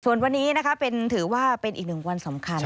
ส่วนวันนี้นะคะถือว่าเป็นอีกหนึ่งวันสำคัญ